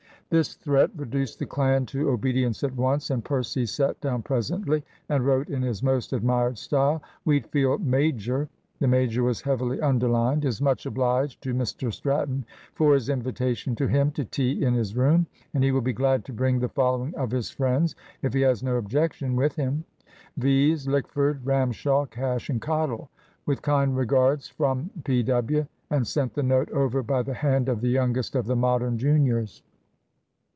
This threat reduced the clan to obedience at once, and Percy sat down presently, and wrote in his most admired style "Wheatfield major," (the "major" was heavily underlined) "is much obliged to Mr Stratton for his invitation to him to tea in his room, and he will be glad to bring the following of his friends, if he has no objection, with him; viz. Lickford, Ramshaw, Cash, and Cottle. With kind regards from P.W.;" and sent the note over by the hand of the youngest of the Modern juniors.